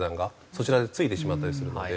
そちらで付いてしまったりするので。